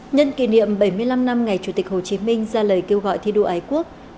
nhân kỷ niệm bảy mươi năm năm ngày chủ tịch hồ chí minh ra lời kêu gọi thi đua ái quốc